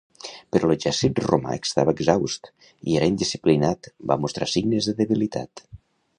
Però l'exèrcit romà estava exhaust i era indisciplinat va mostrar signes de debilitat.